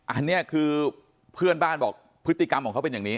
อันนี้คือเพื่อนบ้านบอกพฤติกรรมของเขาเป็นอย่างนี้